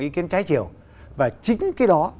ý kiến trái chiều và chính cái đó